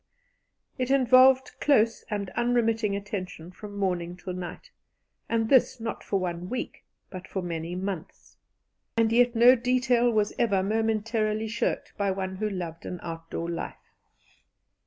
It involved close and unremitting attention from morning till night, and this not for one week, but for many months; and yet no detail was ever momentarily shirked by one who loved an outdoor life.